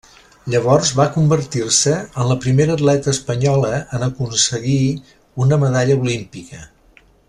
Llavors va convertir-se en la primera atleta espanyola en aconseguir una medalla olímpica.